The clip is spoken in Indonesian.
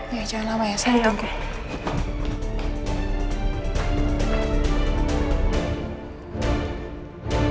jangan lama ya saya ditunggu